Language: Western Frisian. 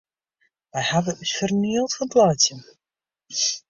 Wy hawwe ús fernield fan it laitsjen.